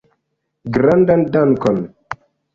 Grandan dankon!